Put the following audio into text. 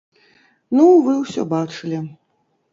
Ну вы ўсё бачылі.